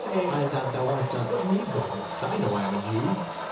Ay, that thou art, a BARABAS. What needs all this? I know I am a Jew.